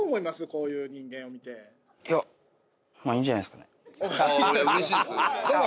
こういう人間っていやまっいいんじゃないですかねああ